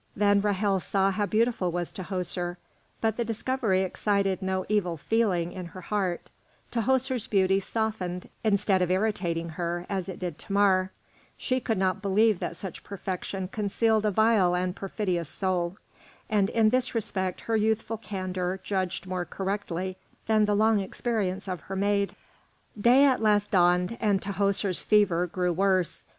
Then Ra'hel saw how beautiful was Tahoser, but the discovery excited no evil feeling in her heart; Tahoser's beauty softened, instead of irritating her as it did Thamar; she could not believe that such perfection concealed a vile and perfidious soul; and in this respect her youthful candour judged more correctly than the long experience of her maid. Day at last dawned, and Tahoser's fever grew worse.